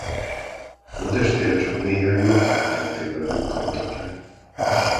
Holttestére csak néhány nap elteltével bukkantak rá.